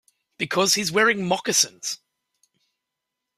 Because he's wearing moccasins.